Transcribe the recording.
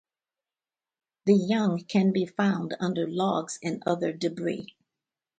The young can be found under logs and other debris.